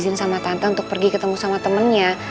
lo mau turun berhenti mobilnya